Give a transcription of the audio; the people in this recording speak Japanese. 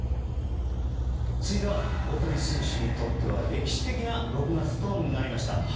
続いては大谷選手にとっては歴史的な６月となりました。